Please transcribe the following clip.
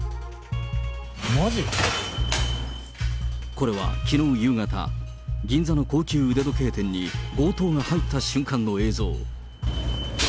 これはきのう夕方、銀座の高級腕時計店に強盗が入った瞬間の映像。